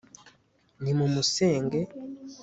nimumusenge